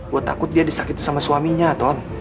gue takut dia disakiti sama suaminya ton